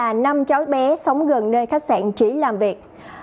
năm cháu bé sống gần nơi khách sạn chỉ làm việc